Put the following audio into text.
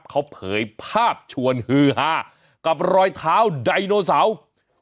เขาเผยภาพชวนฮือฮากับรอยเท้าไดโนเสาร์